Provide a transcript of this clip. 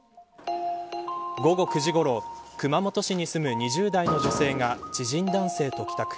午後９時ごろ熊本市に住む２０代の女性が知人男性と帰宅。